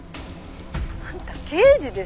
「あんた刑事でしょ？